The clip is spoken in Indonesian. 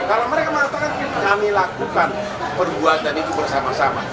kalau mereka mengatakan kami lakukan perbuatan itu bersama sama